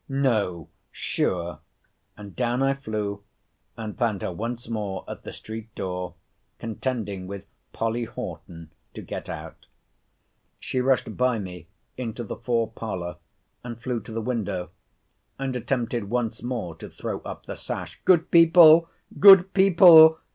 No, sure!—And down I flew, and found her once more at the street door, contending with Polly Horton to get out. She rushed by me into the fore parlour, and flew to the window, and attempted once more to throw up the sash—Good people! good people!